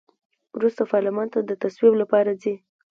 وروسته پارلمان ته د تصویب لپاره ځي.